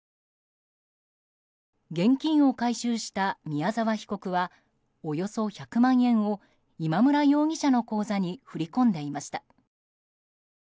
現金を回収した宮沢被告はおよそ１００万円を今村容疑者の口座に振り込んでいました。